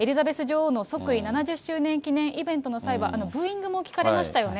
エリザベス女王の即位７０周年記念イベントの際は、ブーイングも聞かれましたよね。